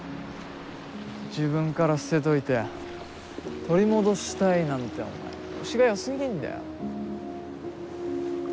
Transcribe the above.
自分から捨てといて取り戻したいなんてお前虫がよすぎんだよ。